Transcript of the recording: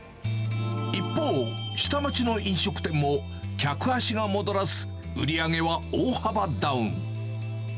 一方、下町の飲食店も客足が戻らず、売り上げは大幅ダウン。